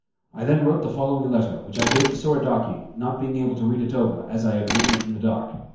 I then wrote the following letter, which I gave to Soradaci, not being able to read it over, as I had written it in the dark.